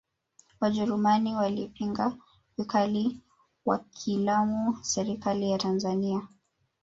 wajerumani walipinga vikali wakiilamu serikali ya tanzania